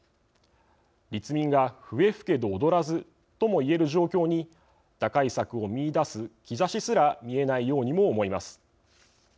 立民が笛吹けど踊らずとも言える状況に打開策を見いだす兆しすら見えないようにも思います。